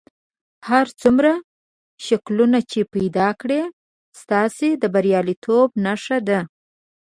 هر څومره شکلونه چې پیدا کړئ ستاسې د بریالیتوب نښه ده.